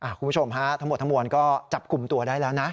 คุณผู้ชมฮะทั้งหมดทั้งมวลก็จับกลุ่มตัวได้แล้วนะ